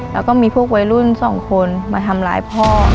แล้วก็มีพวกวัยรุ่นสองคนมาทำร้ายพ่อ